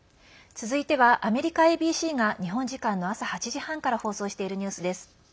続いてはアメリカＡＢＣが日本時間の朝８時半から放送しているニュースです。